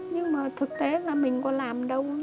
nhưng mà thực tế là mình có làm đâu